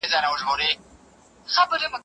زاړه میتودونه له منځه ولاړل.